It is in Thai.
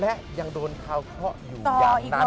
และยังโดนคาวเคราะห์อยู่อย่างนั้น